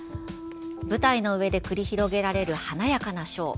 舞台の上で繰り広げられる華やかなショー。